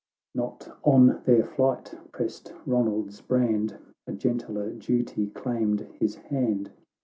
XXX Not on their flight pressed Ronald's brand, A gentler duty claimed his hand.